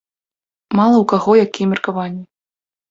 Мала ў каго якія меркаванні.